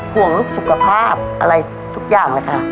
ห่วงลูกสุขภาพอะไรทุกอย่างเลยค่ะ